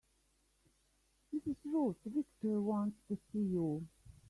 Mrs. Ruth Victor wants to see you.